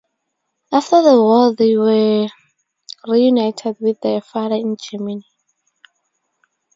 After the war they were reunited with their father in Germany.